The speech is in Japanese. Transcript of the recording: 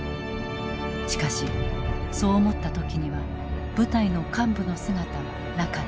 しかしそう思った時には部隊の幹部の姿はなかった。